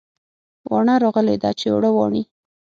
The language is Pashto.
واڼه راغلې ده چې اوړه واڼي